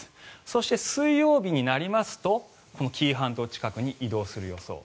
そして、水曜日になりますと紀伊半島近くに移動する予想。